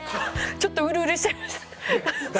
ちょっとウルウルしちゃいました。